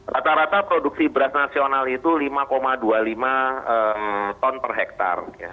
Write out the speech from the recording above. rata rata produksi beras nasional itu lima dua puluh lima ton per hektare